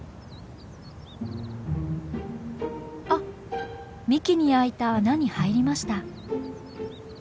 あっ幹に開いた穴に入りました。